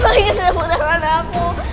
balikin semua darah darah aku